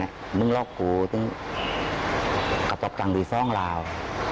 นั่นเนี่ยนึงลอกกูต้องกระจับจังดีซ่องราว